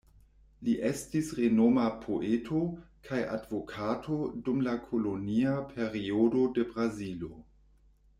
Li estis renoma poeto kaj advokato dum la kolonia periodo de Brazilo.